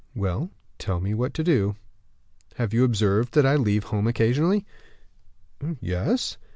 "Well, tell me what you do." "Have you observed that I leave home occasionally?" "Yes."